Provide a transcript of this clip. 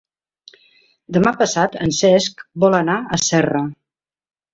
Demà passat en Cesc vol anar a Serra.